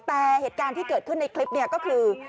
แต่เหตุการณ์ที่เกิดขึ้นในคลิปนี้ก็คือ